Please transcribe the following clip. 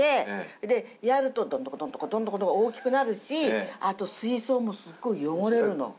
で、やると、どんどこどんどこ大きくなるし、あと水槽もすっごい汚れるの。